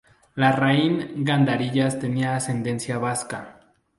Larraín Gandarillas tenía ascendencia vasca.